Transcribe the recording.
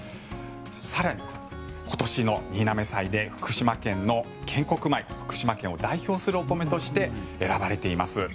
更に、今年の新嘗祭で福島県の献穀米福島県を代表するお米として選ばれています。